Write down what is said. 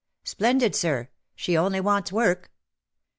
" Splendid, sir. She only wants work.''